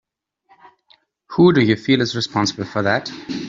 Who do you feel is responsible for that?